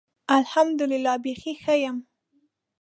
الحمدالله. بیخي ښۀ یم.